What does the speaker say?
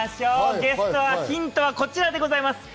ゲストはヒントはこちらでございます。